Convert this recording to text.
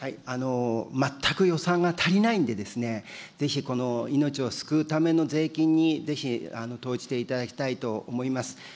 全く予算が足りないんで、ぜひこの命を救うための税金に、ぜひ投じていただきたいと思います。